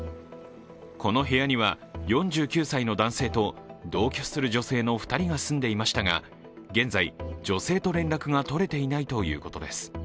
この部屋には４９歳の男性と同居する女性の２人が住んでいましたが現在、女性と連絡がとれていないということです。